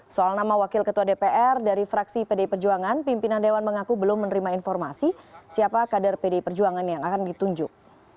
soal nama wakil ketua dpr dari fraksi pdi perjuangan pimpinan dewan mengaku belum menerima informasi siapa kader pdi perjuangan yang akan ditunjuk